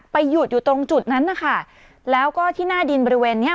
หยุดอยู่ตรงจุดนั้นนะคะแล้วก็ที่หน้าดินบริเวณเนี้ย